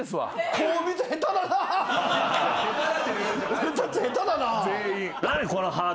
俺たち下手だなぁ。